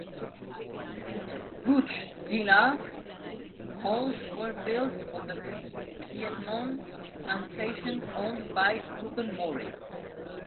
Gooch Dillard halls were built on the Piedmont plantation owned by Reuben Maury.